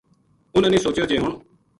اُنھاں نے سوچیو جے ہن